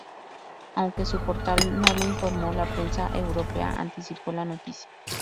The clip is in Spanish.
Aunque su portal no lo informó, la prensa europea anticipó la noticia.